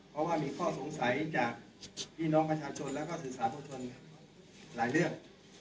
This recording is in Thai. เพราะว่ามีข้อสงสัยจากพี่น้องประชาชนแล้วก็สื่อสารประชนหลายเรื่อง